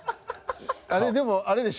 あれでもあれでしょ？